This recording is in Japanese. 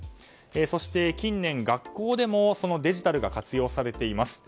そして近年、学校でもそのデジタルが活用されています。